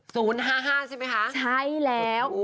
๐๕๕ใช่ไหมคะใช่แล้ว